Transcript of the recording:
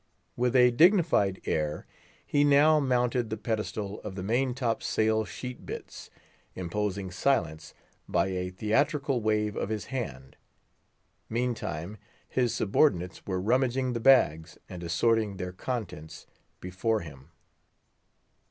With a dignified air, he now mounted the pedestal of the main top sail sheet bitts, imposing silence by a theatrical wave of his hand; meantime, his subordinates were rummaging the bags, and assorting their contents before him.